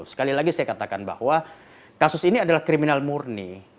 sekali lagi saya katakan bahwa kasus ini adalah kriminal murni